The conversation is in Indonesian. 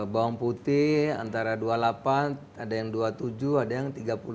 bawang putih antara dua puluh delapan ada yang dua puluh tujuh ada yang tiga puluh